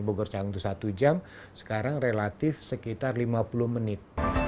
bogor campur satu jam sekarang relatif sekitar lima puluh menit